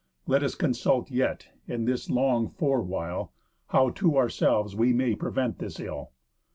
Let us consult yet, in this long forewhile, How to ourselves we may prevent this ill.